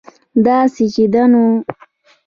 داسې چې ده نو